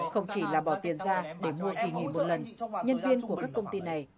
không chỉ là bỏ tiền ra để mua kỳ nghỉ một lần nhân viên của các công ty này